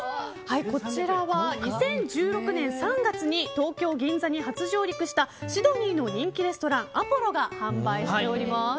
こちらは２０１６年３月に東京・銀座に初上陸したシドニーの人気レストランアポロが販売しております。